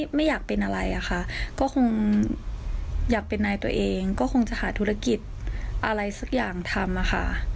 ไม่อยากเป็นอะไรอะค่ะก็คงอยากเป็นนายตัวเองก็คงจะหาธุรกิจอะไรสักอย่างทำค่ะ